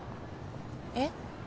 えっ？